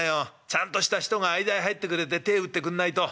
ちゃんとした人が間へ入ってくれて手ぇ打ってくんないと。